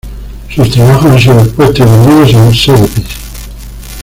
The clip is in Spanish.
Sus trabajos han sido expuestos y vendidos en Sotheby's.